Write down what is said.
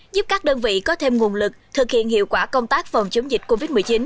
giúp các đơn vị có thêm nguồn lực thực hiện hiệu quả công tác phòng chống dịch covid một mươi chín